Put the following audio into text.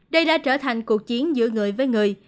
đây đã trở thành cuộc chiến giữa người với người